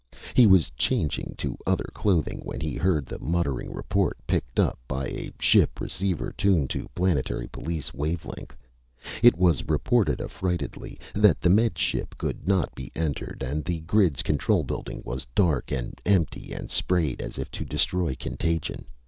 He was changing to other clothing when he heard the muttering report, picked up by a ship receiver tuned to planetary police wave length. It reported affrightedly that the Med Ship could not be entered, and the grid's control building was dark and empty and sprayed as if to destroy contagion.